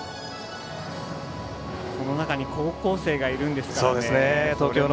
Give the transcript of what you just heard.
この中に高校生がいるんですからね。